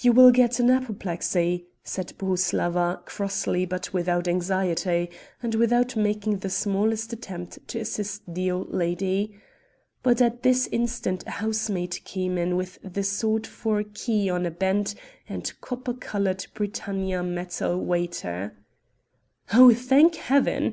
"You will get an apoplexy," said Bohuslawa crossly but without anxiety, and without making the smallest attempt to assist the old lady. But at this instant a housemaid came in with the sought for key on a bent and copper colored britannia metal waiter. "Oh, thank Heaven!"